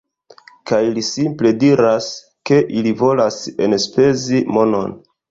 Kaj li simple diras, ke ili volas enspezi monon